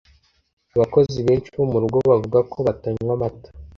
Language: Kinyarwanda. Abakozi benshi bo murugo bavuga ko batanywa amata